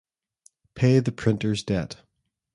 Pay the printer's debt.